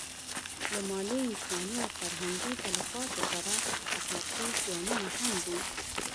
له مالي، انساني او فرهنګي تلفاتو سره اخلاقي زیانونه هم دي.